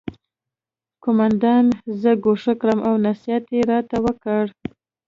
قومندان زه ګوښه کړم او نصیحت یې راته وکړ